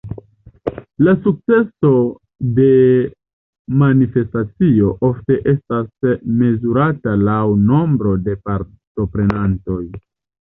La sukceso de manifestacio ofte estas mezurata laŭ nombro de partoprenantoj.